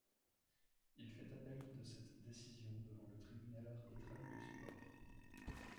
Il fait appel de cette décision devant le Tribunal arbitral du sport.